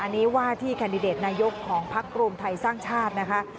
อันนี้ว่าที่แคนดิเดตนายกของพักรวมไทยสร้างชาตินะคะ